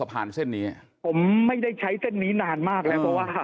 ผมไม่ได้ใช้เส้นนี้นานมากเลย